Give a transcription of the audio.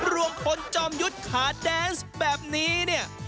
รวมคนจอมยุทธ์ขาแดนส์แบบนี้เนี่ย